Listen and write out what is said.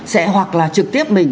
sẽ hoặc là trực tiếp mình